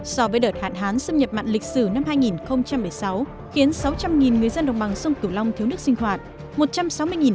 so với đợt hạn hán xâm nhập mặn lịch sử năm hai nghìn một mươi sáu khiến sáu trăm linh người dân đồng bằng sông cửu long thiếu nước sinh hoạt